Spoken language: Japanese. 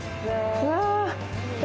うわ。